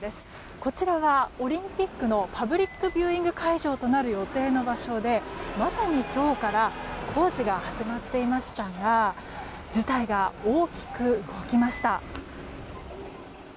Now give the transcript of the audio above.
こちらはオリンピックのパブリックビューイング会場となる予定の場所でまさに今日から工事が始まっていましたが事態が大きく動きました。